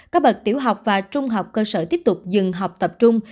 các bậc tiểu học và trung học cơ sở tiếp tục dừng học tập trung